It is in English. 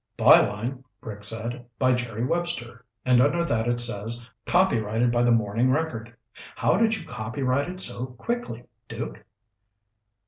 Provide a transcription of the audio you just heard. "Byline," Rick said, "by Jerry Webster, and under that it says copyrighted by the Morning Record. How did you copyright it so quickly, Duke?"